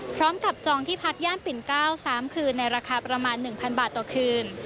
พร้อมกับจองที่พักย่านปิ่นเก้า๓คืนในราคาประมาณ๑๐๐๐บาทต่อคืน